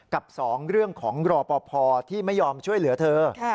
กับ๒เรื่องของรอปภที่ไม่ยอมช่วยเหลือเธอ